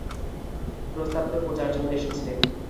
প্রস্তাব তো পূজার জন্য এসেছে।